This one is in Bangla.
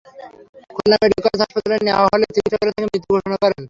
খুলনা মেডিকেল কলেজ হাসপাতালে নেওয়া হলে চিকিৎসকেরা তাঁকে মৃত ঘোষণা করেন।